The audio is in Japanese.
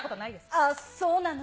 あっ、そうなの。